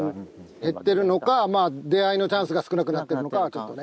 減ってるのか出合いのチャンスが少なくなってるのかはちょっとね